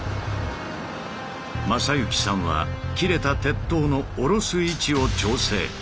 正之さんは切れた鉄塔の下ろす位置を調整。